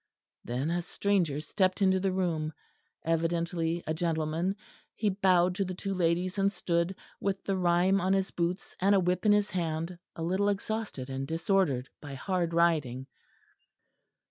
Then a stranger stepped into the room; evidently a gentleman; he bowed to the two ladies, and stood, with the rime on his boots and a whip in his hand, a little exhausted and disordered by hard riding.